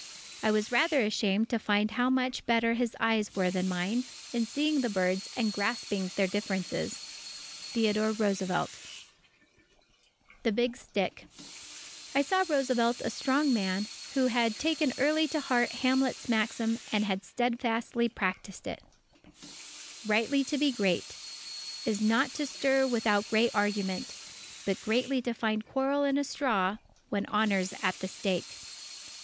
I was rather ashamed to find how much better his eyes were than mine, in seeing the birds and grasping their differences. Theodore Roosevelt THE BIG STICK I saw in Roosevelt a strong man, who had taken early to heart Hamlet's maxim, and had steadfastly practised it: "_Rightly to be great Is not to stir without great argument, But greatly to find quarrel in a straw When Honour's at the stake.